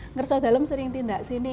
ngersa dalam sering tindak sini